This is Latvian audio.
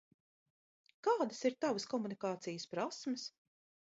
Kādas ir Tavas komunikācijas prasmes?